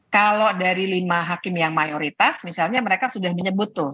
kalau dari lima hakim yang mayoritas misalnya mereka sudah menyebut tuh